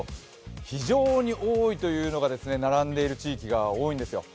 非常に多いというのが並んでいる地域が多いんですよ。